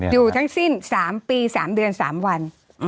อยู่ทั้งสิ้น๓ปี๓เดือน๓วัน